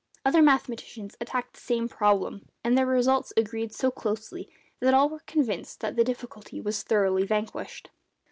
Other mathematicians attacked the same problem, and their results agreed so closely that all were convinced that the difficulty was thoroughly vanquished.